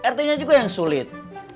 rt nya juga yang sulit